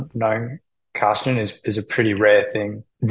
pertama karsinogenik adalah hal yang cukup jarang